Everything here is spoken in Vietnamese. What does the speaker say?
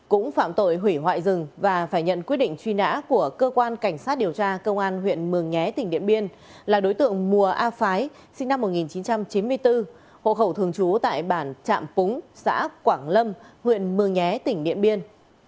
cũng phạm tội hủy hoại rừng và phải nhận quyết định truy nã của cơ quan cảnh sát điều tra công an huyện mường nhé tỉnh điện biên là đối tượng mùa a phái sinh năm một nghìn chín trăm chín mươi bốn hộ khẩu thường trú tại bản trạm búng xã quảng lâm huyện mường nhé tỉnh điện biên